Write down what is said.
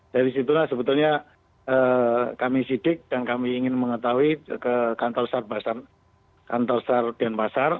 dari situ lah sebetulnya kami sidik dan kami ingin mengetahui ke kantor sar denpasar